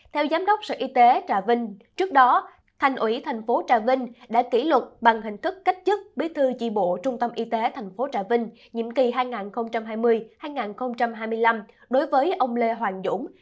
theo giám đốc sở y tế trà vinh trước đó thành ủy tp trà vinh đã kỷ luật bằng hình thức cách chức bí thư chi bộ trung tâm y tế tp trà vinh nhiệm kỳ hai nghìn hai mươi hai nghìn hai mươi năm đối với ông lê hoàng dũng